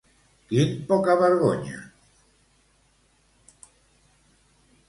Quin pocavergonya.